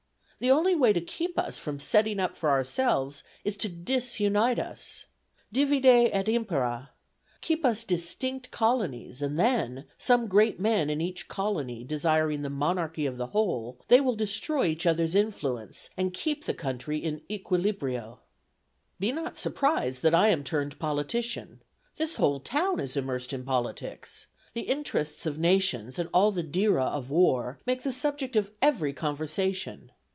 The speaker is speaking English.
The only way to keep us from setting up for ourselves is to disunite us. Divide et impera. Keep us distinct colonies, and then, some great men in each colony desiring the monarchy of the whole, they will destroy each others' influence and keep the country in equilibrio. "Be not surprised that I am turned politician. This whole town is immersed in politics. The interests of nations, and all the dira of war, make the subject of every conversation.